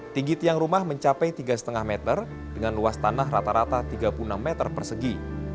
tinggi tiang rumah mencapai tiga lima meter dengan luas tanah rata rata tiga puluh enam meter persegi